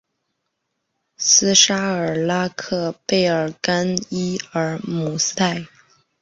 斯沙尔拉克贝尔甘伊尔姆斯泰。